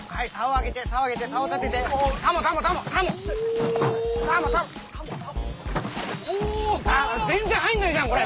あっ全然入んないじゃんこれ！